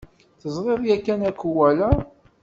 Teẓriḍ yakan akuwala?